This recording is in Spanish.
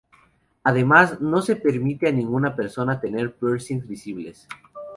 Además, no se permite a ninguna persona tener piercings visibles.